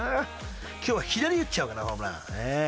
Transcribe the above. ［今日は左で打っちゃおうかなホームラン］